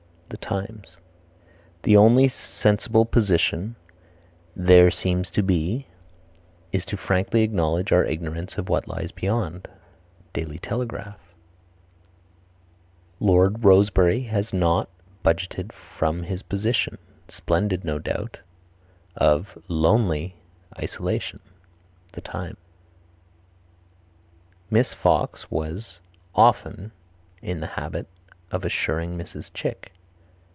The Times. "The only sensible position (there seems to be) is to frankly acknowledge our ignorance of what lies beyond." Daily Telegraph. "Lord Rosebery has not budged from his position splendid, no doubt, of (lonely) isolation." The Times. "Miss Fox was (often) in the habit of assuring Mrs. Chick."